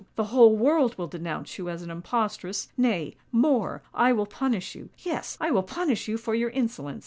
The whole world will denounce you as an impostress. Nay—more: I will punish you—yes, I will punish you for your insolence!